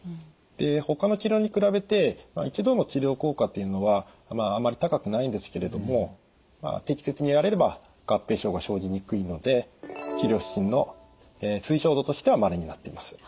でほかの治療に比べて一度の治療効果っていうのはあまり高くないんですけれども適切にやれれば合併症が生じにくいので治療指針の推奨度としては○になっています。